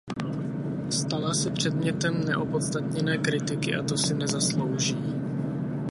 Stala se předmětem neopodstatněné kritiky a to si nezaslouží.